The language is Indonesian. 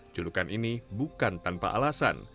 julukan ini bukan tanpa alasan